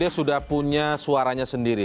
dia sudah punya suaranya sendiri